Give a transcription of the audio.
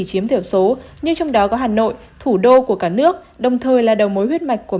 chiếm thiểu số nhưng trong đó có hà nội thủ đô của cả nước đồng thời là đầu mối huyết mạch của